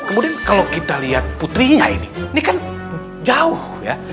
kemudian kalau kita lihat putrinya ini ini kan jauh ya